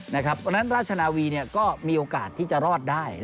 เพราะฉะนั้นราชนาวีก็มีโอกาสที่จะรอดได้